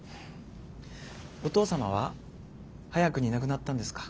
お父様は早くに亡くなったんですか？